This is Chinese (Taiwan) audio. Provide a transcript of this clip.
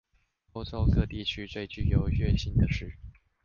歐洲各地區中最具優越性的是